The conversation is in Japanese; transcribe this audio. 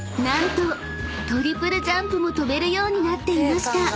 ［何とトリプルジャンプも跳べるようになっていました］